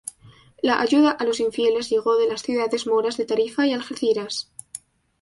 La ayuda a los infieles llegó de las ciudades moras de Tarifa y Algeciras.